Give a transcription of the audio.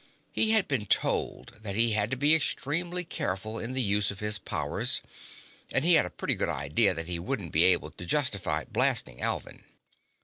He had been told that he had to be extremely careful in the use of his powers, and he had a pretty good idea that he wouldn't be able to justify blasting Alvin.